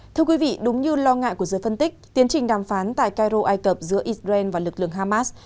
thưa quý vị đúng như lo ngại của giới phân tích tiến trình đàm phán tại cairo ai cập giữa israel và lực lượng hamas